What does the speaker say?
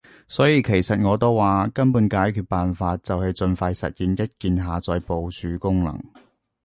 所以其實我都話，根本解決辦法就係儘快實現一鍵下載部署功能